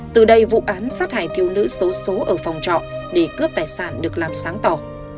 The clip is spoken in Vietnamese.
từ đây vụ án sát hại thiếu nữ số số ở phòng trọ để cướp tài sản được làm sáng tỏ